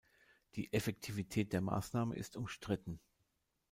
Die Effektivität der Maßnahme ist umstritten.